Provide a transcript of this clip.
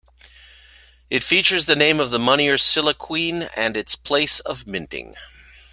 It features the name of the moneyer Silacwine and its place of minting.